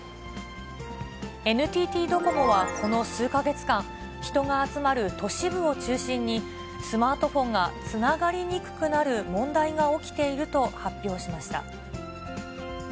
ＮＴＴドコモはこの数か月間、人が集まる都市部を中心に、スマートフォンがつながりにくくなる問題が起きていると発表しました。